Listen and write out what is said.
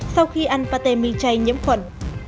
sau khi ăn pate mi chay nhiễm khuẩn